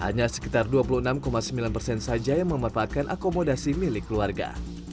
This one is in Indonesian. hanya sekitar dua puluh enam sembilan persen saja yang memanfaatkan akomodasi milik keluarga